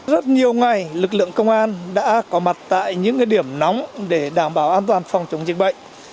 rất nhiều ngày lực lượng công an đã có mặt tại những điểm nóng để đảm bảo an toàn phòng chống dịch bệnh